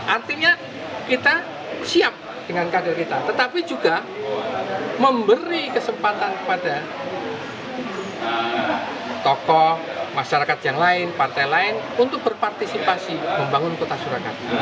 artinya kita siap dengan kader kita tetapi juga memberi kesempatan kepada tokoh masyarakat yang lain partai lain untuk berpartisipasi membangun kota surakarta